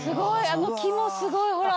あの木もすごいほら。